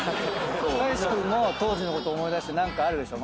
大志君も当時のこと思い出して何かあるでしょ？